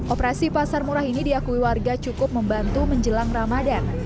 operasi pasar murah ini diakui warga cukup membantu menjelang ramadan